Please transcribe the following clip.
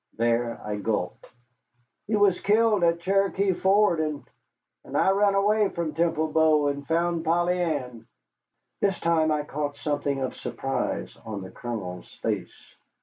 There I gulped. "He was killed at Cherokee Ford, and and I ran away from Temple Bow, and found Polly Ann." This time I caught something of surprise on the Colonel's face.